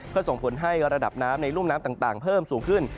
เพื่อส่งผลให้ระดับน้ำในรุ่มน้ำต่างเพิ่มสูงขึ้น